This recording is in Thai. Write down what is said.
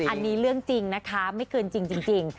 อันนี้เรื่องจริงนะคะไม่คืนจริง